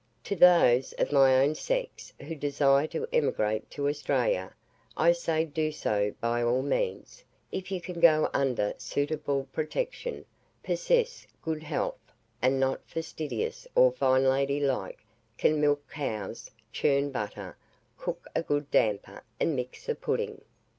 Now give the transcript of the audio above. To those of my own sex who desire to emigrate to Australia, I say do so by all means, if you can go under suitable protection, possess good health, are not fastidious or "fine lady like," can milk cows, churn butter, cook a good damper, and mix a pudding.